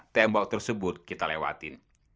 tembok tersebut kita lewatin